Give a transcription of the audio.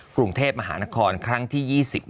กรุงเทพมหานครครั้งที่๒๑